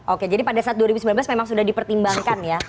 oke jadi pada saat dua ribu sembilan belas memang sudah dipertimbangkan ya